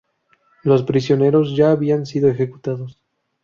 Los prisioneros ya habían sido ejecutados.